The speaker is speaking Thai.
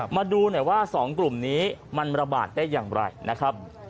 มาดูหน่อยว่า๒กลุ่มนี้มันระบาดได้อย่างไรนะครับ